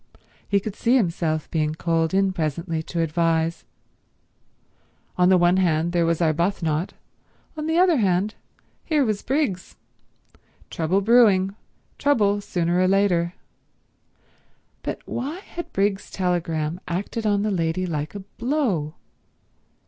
He could see himself being called in presently to advise. On the one hand there was Arbuthnot, on the other hand here was Briggs. Trouble brewing, trouble sooner or later. But why had Briggs's telegram acted on the lady like a blow?